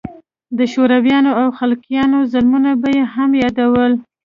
د شورويانو او خلقيانو ظلمونه به يې هم يادول.